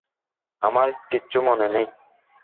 আমার কিচ্ছু মনে নেই।